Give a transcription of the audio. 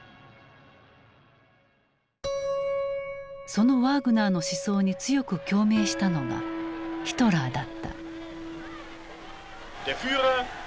そのワーグナーの思想に強く共鳴したのがヒトラーだった。